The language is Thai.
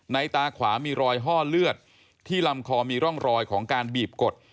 ตาขวามีรอยห้อเลือดที่ลำคอมีร่องรอยของการบีบกด